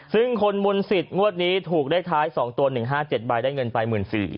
ซึ่งคนมุลสิทธิ์งวดนี้ถูกได้คล้าย๒ตัว๑๕๗ใบได้เงินไป๑๔๐๐๐บาท